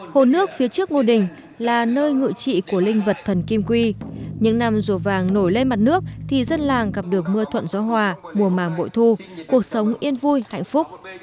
hồ nước phía trước ngôi đình là nơi ngự trị của linh vật thần kim quy những năm rùa vàng nổi lên mặt nước thì dân làng gặp được mưa thuận gió hòa mùa màng bội thu cuộc sống yên vui hạnh phúc